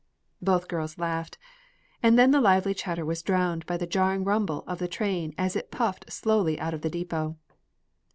'" Both girls laughed, and then the lively chatter was drowned by the jarring rumble of the train as it puffed slowly out of the depot.